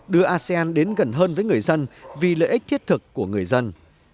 đưa asean đến gần hơn với người dân vì lợi ích thiết thực của người dân